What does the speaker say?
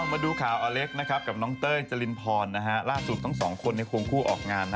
มาดูข่าวอเล็กนะครับกับน้องเต้ยจรินพรล่าสุดทั้งสองคนควงคู่ออกงาน